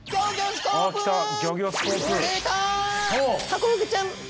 ハコフグちゃん。